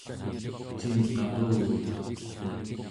cingqaquvik